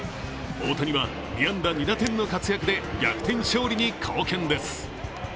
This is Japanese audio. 大谷は２安打に２点の活躍で逆転勝利に貢献です。